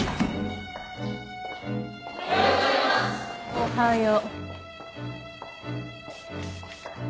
おはよう